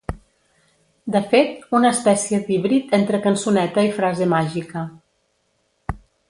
De fet, una espècie d'híbrid entre cançoneta i frase màgica.